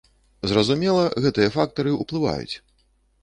Зразумела, гэтыя фактары ўплываюць.